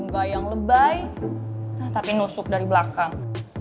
enggak yang lebay tapi nusuk dari belakang